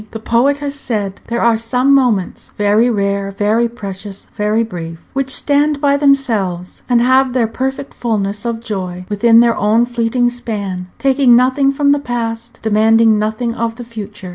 The poet has said, there are some moments very rare, very precious, very brief which stand by themselves, and have their perfect fulness of joy within their own fleeting span, taking nothing from the past, demanding nothing of the future.